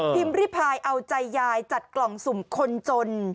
ริพายเอาใจยายจัดกล่องสุ่มคนจน